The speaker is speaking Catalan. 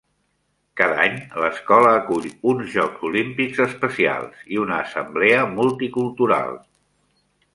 Cada any, l'escola acull uns Jocs Olímpics especials i una assemblea multicultural.